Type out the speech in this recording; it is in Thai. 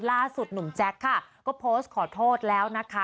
ล่าสุดหนุ่มแจ๊คค่ะก็โพสต์ขอโทษแล้วนะคะ